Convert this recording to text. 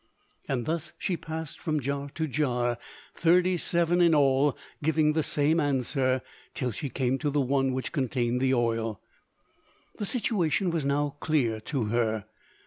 And thus she passed from jar to jar, thirty seven in all, giving the same answer, till she came to the one which contained the oil. The situation was now clear to her.